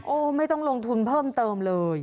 ไม่ต้องลงทุนเพิ่มเติมเลย